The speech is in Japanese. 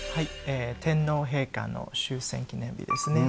天皇陛下の終戦記念日ですね。